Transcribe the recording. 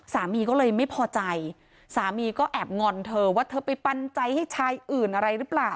สามีก็เลยไม่พอใจสามีก็แอบงอนเธอว่าเธอไปปันใจให้ชายอื่นอะไรหรือเปล่า